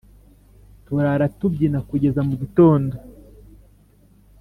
turara tubyina kugeza mugitondo